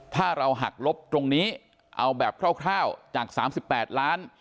ถ้าเราหักลบตรงนี้เอาแบบคร่าวจาก๓๘ล้าน